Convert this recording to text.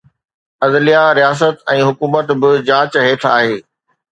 عدليه، رياست ۽ حڪومت به جاچ هيٺ آهي.